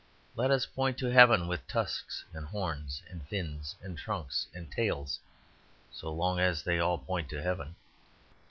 Let us point to heaven with tusks and horns and fins and trunks and tails so long as they all point to heaven.